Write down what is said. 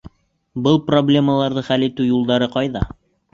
Был проблемаларҙы хәл итеү юлдары ҡайҙа?